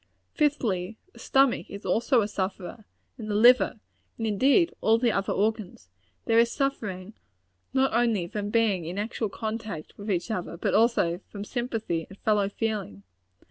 Fifthly the stomach is also a sufferer and the liver; and, indeed, all the other organs. There is suffering, not only from being in actual contact with each other, but also from sympathy and fellow feeling.